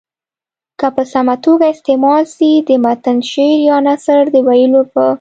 که په سمه توګه استعمال سي د متن شعر یا نثر د ویلو په